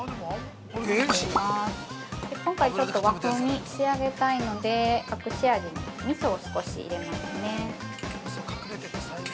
今回ちょっと和風に仕上げたいので、隠し味にみそを少し入れますね。